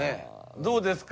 どうですか？